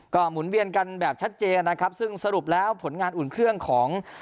ก็หมุนเวียนกันแบบชัดเจนนะครับซึ่งสรุปแล้วผลงานอุ่นเครื่องของ